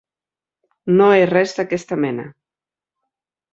No he res d'aquesta mena.